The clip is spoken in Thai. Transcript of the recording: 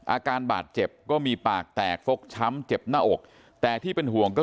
อาการบาดเจ็บก็มีปากแตกฟกช้ำเจ็บหน้าอกแต่ที่เป็นห่วงก็คือ